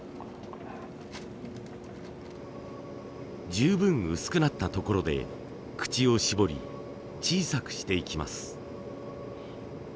十分薄くなったところで口を絞り小さくしていきます。